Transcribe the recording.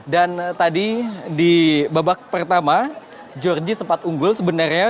dan tadi di babak pertama georgia sempat unggul sebenarnya